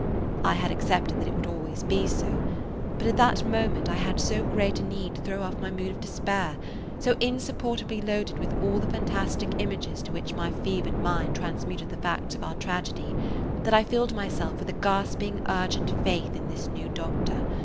I had accepted that it would always be so. But at that moment I had so great a need to throw off my mood of despair, so insupportably loaded with all the fantastic images to which my fevered mind transmuted the facts of our tragedy, that I filled myself with a gasping, urgent faith [Page 135] in this new doctor.